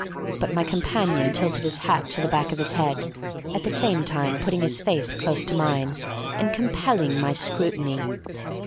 But my companion tilted his hat to the back of his head, at the same time putting his face close to mine, and compelling my scrutiny.